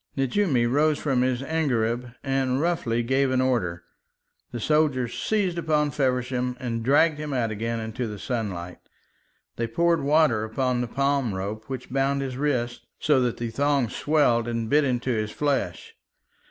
Nejoumi rose from his angareb and roughly gave an order. The soldiers seized upon Feversham and dragged him out again into the sunlight. They poured water upon the palm rope which bound his wrists, so that the thongs swelled and bit into his flesh.